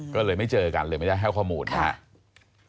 ก็เลยไม่เจอกันเลยไม่ได้ให้ข้อมูลนะครับ